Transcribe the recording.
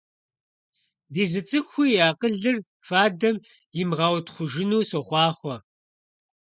Ди зы цӀыхуи и акъылыр фадэм имыгъэутхъужыну сохъуахъуэ!